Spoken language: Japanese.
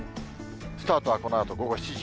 スタートはこのあと午後７時。